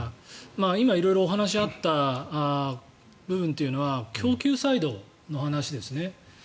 今、色々お話があった部分というのは供給サイドの話ですね。